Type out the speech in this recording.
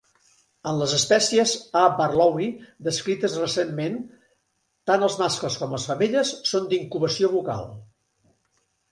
En les espècies A. barlowi descrites recentment, tant els mascles com les femelles són d'incubació bucal.